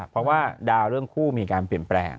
เพราะว่าดาวเรื่องคู่มีการเปลี่ยนแปลง